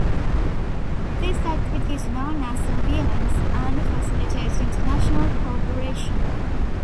This activity is known as surveillance and facilitates international co-operation.